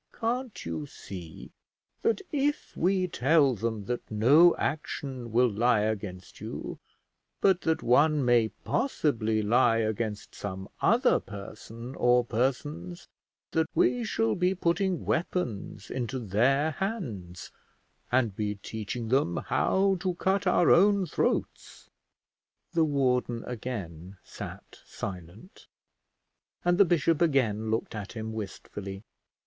Can't you see that if we tell them that no action will lie against you, but that one may possibly lie against some other person or persons, that we shall be putting weapons into their hands, and be teaching them how to cut our own throats?" The warden again sat silent, and the bishop again looked at him wistfully.